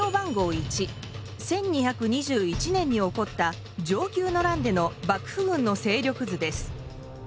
１１２２１年に起こった承久の乱での幕府軍の勢力図です。